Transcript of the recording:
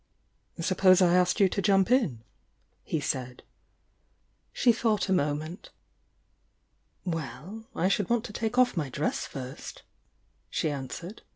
"Suppose I asked you to jump in?" he said. She thought a moment. "Well, — I should want to take off mv drew first," she answered.